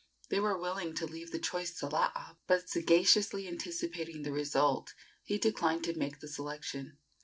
They were willing to leave the choice to Laa, but, sagaciously anticipating the result, he declined to make the selection.